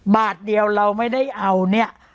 บาทเดียวเราไม่ได้เอาเนี่ย